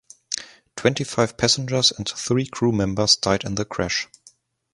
Twenty-five passengers and three crew members died in the crash.